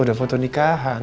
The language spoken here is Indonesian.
udah foto nikahan